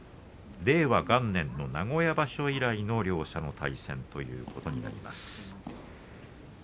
令和元年名古屋場所以来の両者の対戦ということになります。